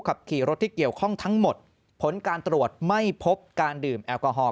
ขับขี่รถที่เกี่ยวข้องทั้งหมดผลการตรวจไม่พบการดื่มแอลกอฮอล